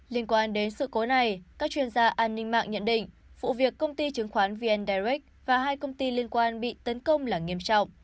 liên quan đến sự cố này các chuyên gia an ninh mạng nhận định vụ việc công ty chứng khoán vn direct và hai công ty liên quan bị tấn công là nghiêm trọng